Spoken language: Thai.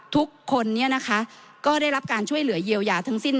ทุกคนนี้นะคะก็ได้รับการช่วยเหลือเยียวยาทั้งสิ้น